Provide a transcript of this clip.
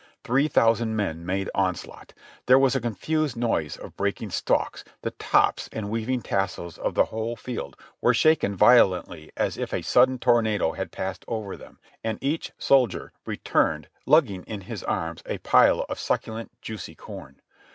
Three thousand men made onslaught. There was a confused noise of breaking stalks ; the tops and waving tassels of the whole field were shaken violently as if a sudden tornado had passed over them, and each soldier returned lugging in his arms a pile of succulent, juicy corn.